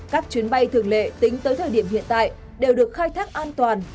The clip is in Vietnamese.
các chuyến bay thường lệ tính tới thời điểm hiện tại đều được khai thác an toàn